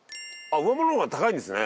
上物の方が高いんですね。